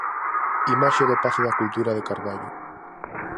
Imaxe do Pazo da Cultura de Carballo.